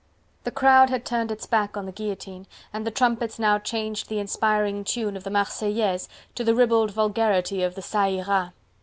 The crowd had turned its back on the guillotine, and the trumpets now changed the inspiriting tune of the "Marseillaise" to the ribald vulgarity of the "Ca ira!"